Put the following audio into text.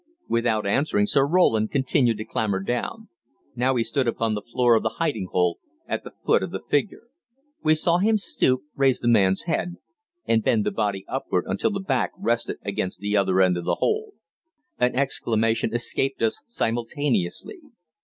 Without answering Sir Roland continued to clamber down. Now he stood upon the floor of the hiding hole, at the foot of the figure. We saw him stoop, raise the man's head, and bend the body upward until the back rested against the other end of the hole. An exclamation escaped us simultaneously.